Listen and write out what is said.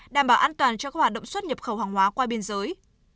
đảm bảo an toàn cho các hoạt động xuất nhập khẩu hàng hóa qua biên giới